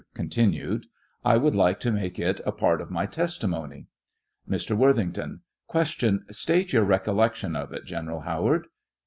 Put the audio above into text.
(Continued.) I would like to make it a part of my testimony. Mr. Worthington : Q. State your recollection of it, Gen. Howard